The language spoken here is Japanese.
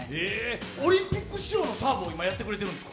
オリンピック仕様のサービスをやってくれてるんですか？